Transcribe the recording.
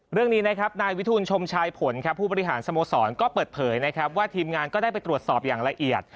เรื่องนี้นะครับนายวิทูลชมชายผลครับผู้บริหารสโมสรก็เปิดเผยนะครับว่าทีมงานก็ได้ไปตรวจสอบอย่างละเอียด